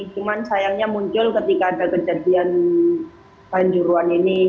cuma sayangnya muncul ketika ada kejadian panjuruan ini